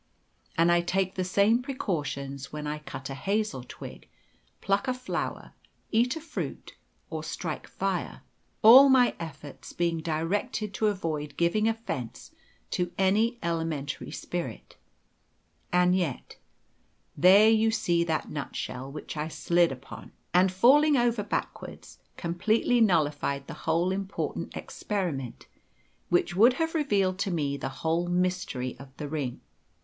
And I take the same precautions when I cut a hazel twig, pluck a flower, eat a fruit, or strike fire, all my efforts being directed to avoid giving offence to any elementary spirit. And yet there, you see that nutshell, which I slid upon, and, falling over backwards, completely nullified the whole important experiment, which would have revealed to me the whole mystery of the ring?